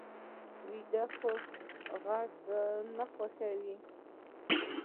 ویده خوب غږ نه خوښوي